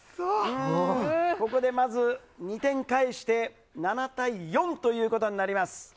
ここでまず２点返して７対４となります。